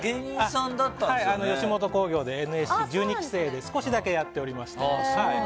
吉本興業で、ＮＳＣ１２期生で少しだけやっておりました。